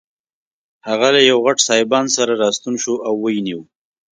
هغه له یوه غټ سایبان سره راستون شو او ویې نیو.